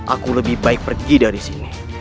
aku lebih baik pergi dari sini